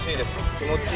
気持ちいい。